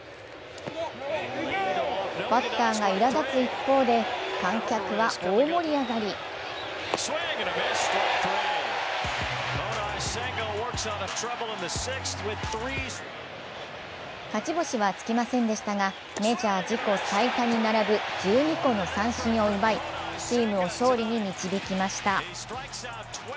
バッターがいら立つ一方で観客は大盛り上がり勝ち星はつきませんでしたが、メジャー自己最多に並ぶ１２個の三振を奪い、チームを勝利に導きました。